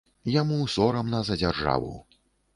Яму сорамна за дзяржаву.